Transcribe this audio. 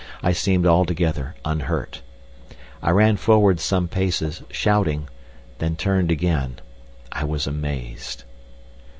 I seemed altogether unhurt. I ran forward some paces, shouting, then turned about. I was amazed.